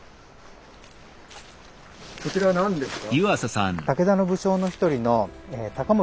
そちらは何ですか？